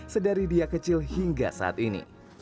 sedari dia kecil hingga saat ini